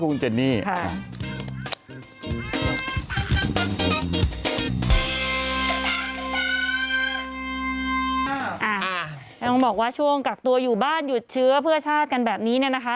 ต้องบอกว่าช่วงกักตัวอยู่บ้านหยุดเชื้อเพื่อชาติกันแบบนี้เนี่ยนะคะ